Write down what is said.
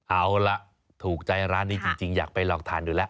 เอาล่ะถูกใจร้านนี้จริงอยากไปลองทานดูแล้ว